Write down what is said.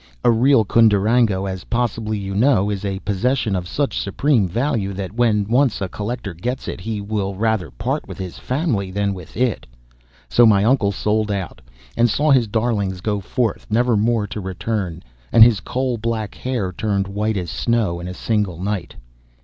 A real Cundurango, as possibly you know, is a possession of such supreme value that, when once a collector gets it, he will rather part with his family than with it. So my uncle sold out, and saw his darlings go forth, never more to return; and his coal black hair turned white as snow in a single night.